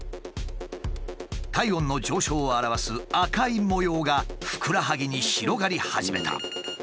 体温の上昇を表す赤い模様がふくらはぎに広がり始めた。